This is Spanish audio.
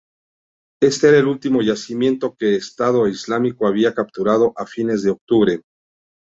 Este era el último yacimiento que Estado Islámico había capturado a fines de octubre.